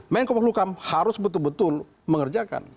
menko polukam harus betul betul mengerjakan